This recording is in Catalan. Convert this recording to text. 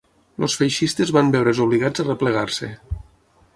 Els feixistes van veure's obligats a replegar-se